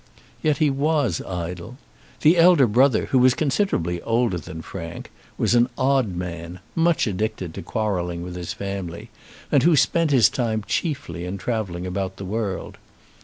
Yet he was idle. The elder brother, who was considerably older than Frank, was an odd man, much addicted to quarrelling with his family, and who spent his time chiefly in travelling about the world.